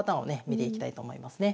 見ていきたいと思いますね。